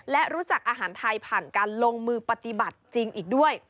และรู้จักอาหารไทยผ่านการลงมือปฏิบัติจริงอีกด้วย